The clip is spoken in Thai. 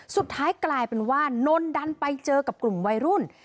สุดท้ายกลายเป็นว่านนดันไปเจอกับกลุ่มวัยรุ่น